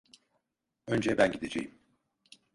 Önce ben gideceğim.